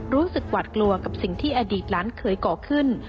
หวาดกลัวกับสิ่งที่อดีตล้านเคยก่อขึ้น